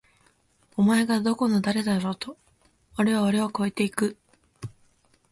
お前がどこの誰だろうと！！おれはお前を超えて行く！！